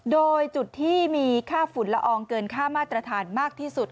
โดยจุดที่มีค่าฝุ่นละอองเกินค่ามาตรฐานมากที่สุด